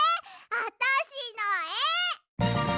あたしのえ！